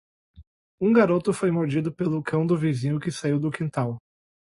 Um garoto foi mordido pelo cão do vizinho, que saiu do quintal.